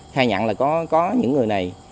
khai nhận là có những người này